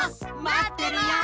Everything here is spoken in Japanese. まってるよ！